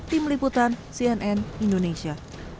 tim liputan cnn indonesia